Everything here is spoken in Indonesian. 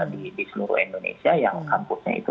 di seluruh indonesia yang kampusnya itu